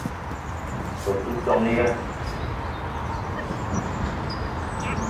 O te ton ya?